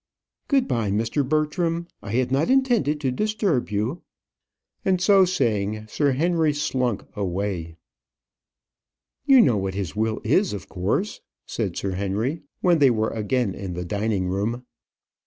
"Good bye, Mr. Bertram. I had not intended to disturb you." And so saying, Sir Henry slunk away. "You know what his will is, of course," said Sir Henry, when they were again in the dining room.